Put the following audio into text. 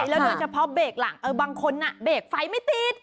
ใช่แล้วโดยเฉพาะเบรกหลังเออบางคนน่ะเบรกไฟไม่ตีด